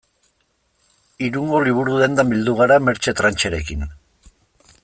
Irungo liburu-dendan bildu gara Mertxe Trancherekin.